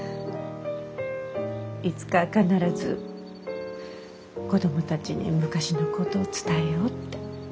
いつか必ず子供たちに昔のこと伝えようって。